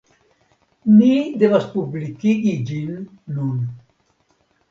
Ni devas publikigi ĝin nun.